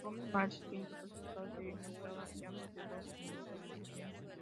Gómez Marchante, quinto clasificado, se encontraba ya a más de dos minutos de diferencia.